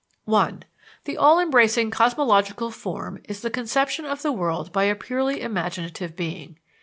(1) The all embracing cosmological form is the conception of the world by a purely imaginative being.